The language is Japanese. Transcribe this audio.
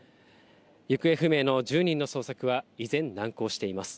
行方不明の１０人の捜索は以前、難航しています。